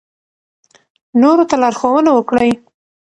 نورو ته لارښوونه وکړئ.